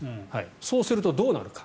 そうすると、どうなるか。